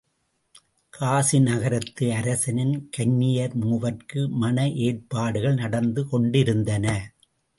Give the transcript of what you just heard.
காசி நகரத்து அரசனின் கன்னியர் மூவர்க்கு மண ஏற்பாடுகள் நடந்து கொண்டிருந்தன.